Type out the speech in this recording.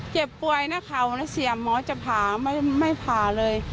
เจ็บป่วยนะเข่านะเสียหมอจะผ่าไม่ผ่าเลย